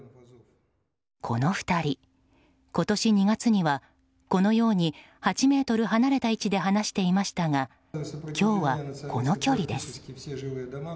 この２人、今年２月にはこのように８ｍ離れた位置で話していましたが今日はこの距離です。